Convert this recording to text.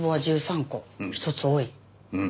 うん。